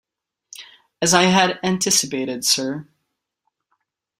As I had anticipated, sir.